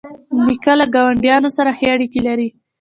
نیکه له ګاونډیانو سره ښې اړیکې لري.